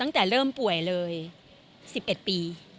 ตั้งแต่เริ่มป่วยเลย๑๑ปี